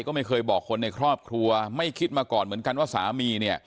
ก็ไม่เคยบอกคนในครอบครัวไม่คิดมาก่อนเหมือนกันว่าสามีเนี่ย